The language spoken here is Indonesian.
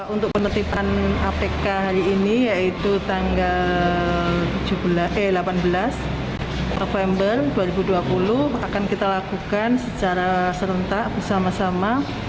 untuk penertiban apk hari ini yaitu tanggal delapan belas november dua ribu dua puluh akan kita lakukan secara serentak bersama sama